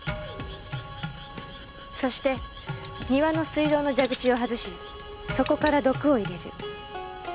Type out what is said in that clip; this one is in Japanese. そして庭の水道の蛇口を外しそこから毒を入れる。